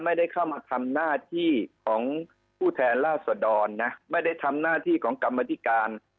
ไม่ได้เข้ามาทำหน้าที่ของผู้แทนราษดรนะไม่ได้ทำหน้าที่ของกรรมธิการ